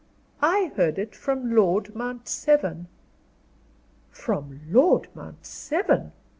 I heard it from Lord Mount Severn." "From Lord Mount Severn?"